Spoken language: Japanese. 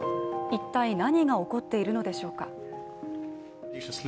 一体、何が起こっているのでしょうか。